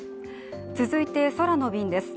続いて空の便です。